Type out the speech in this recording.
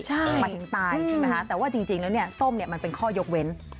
หมายถึงตายใช่ไหมคะแต่ว่าจริงแล้วเนี่ยส้มเนี่ยมันเป็นข้อยกเว้น